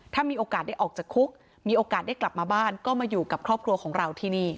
ถ้ามีโอกาสได้ออกจากคุกมีโอกาสได้กลับมาบ้านก็มาอยู่กับครอบครัวของเราที่นี่